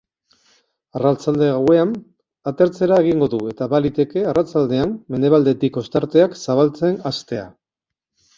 Arratsalde-gauean, atertzera egingo du, eta baliteke arratsaldean mendebaldetik ostarteak zabaltzen hastea.